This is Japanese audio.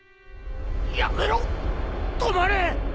やめろ止まれ。